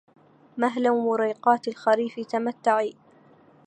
مهلا وريقات الخريف تمتعى